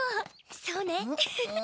そうねウフフ。